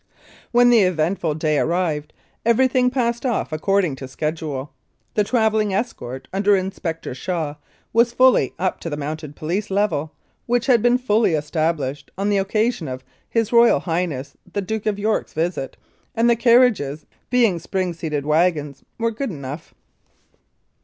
When the eventful day arrived everything passed off according to schedule. The travelling escort, under Inspector Shaw, was fully up to the Mounted Police level, which had been fully established on the occasion of H.R.H. the Duke of York's visit, and the carriages (being spring seated wagons) were good enough.